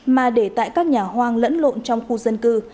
mà để tại các nhà hoang lẫn lộn trong khu dân cư